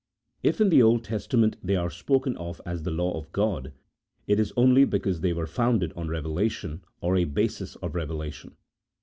If in the Old Testament they are spoken of as the law of G od, it is only because they were founded on revelation, or a basis of revelation.